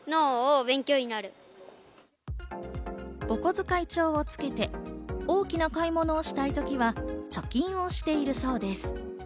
お小遣い帳をつけて大きな買い物をしたいときは貯金をしているそうです。